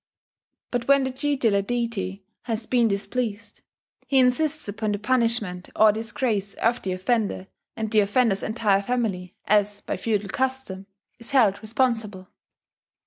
But when the tutelar deity has been displeased, he insists upon the punishment or disgrace of the offender; and the offender's entire family, as by feudal custom, is held responsible.